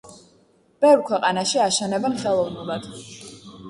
ბევრ ქვეყანაში აშენებენ ხელოვნურად.